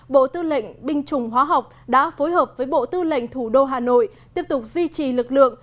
bộ tư lệnh binh chủng hóa học đã phối hợp với bộ tư lệnh thủ đô hà nội tiếp tục duy trì lực lượng